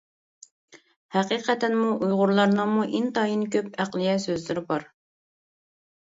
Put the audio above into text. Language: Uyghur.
ھەقىقەتەنمۇ ئۇيغۇرلارنىڭمۇ ئىنتايىن كۆپ ئەقلىيە سۆزلىرى بار.